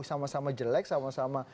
sama sama jelek sama sama